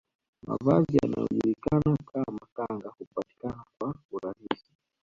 Mavazi yanayojulikana kama kanga hupatikana kwa urahisi